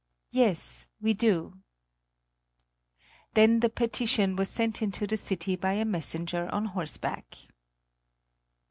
"Yes, we do." Then the petition was sent into the city by a messenger on horseback.